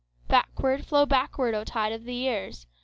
Backward, flow backward, O tide of the years!